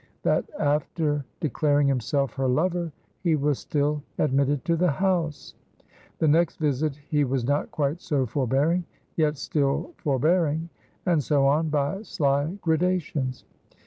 that after declaring himself her lover he was still admitted to the house. The next visit he was not quite so forbearing, yet still forbearing; and so on by sly gradations.